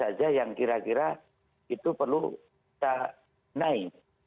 apa saja yang kira kira itu perlu kita naik